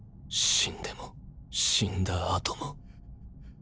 死んでも死んだ後も。